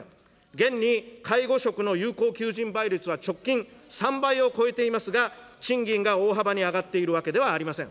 現に介護職の有効求人倍率は直近３倍を超えていますが、賃金が大幅に上がっているわけではありません。